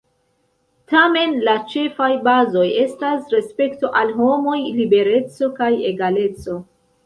Tamen la ĉefaj bazoj estas respekto al homoj, libereco kaj egaleco.